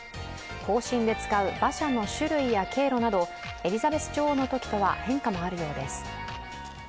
行進で使う場所の種類や経路などエリザベス女王のときは変化もあるようです。